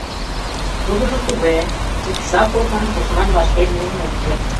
Тудыжо туге: Икса корным тушман вашке муын ок керт.